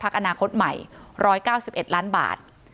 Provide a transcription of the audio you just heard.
หัวหน้าพักอนาคตใหม่๑๙๑ล้านบาท